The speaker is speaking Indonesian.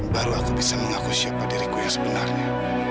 baru aku bisa mengakui siapa diriku yang sebenarnya